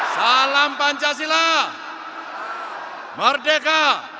salam pancasila merdeka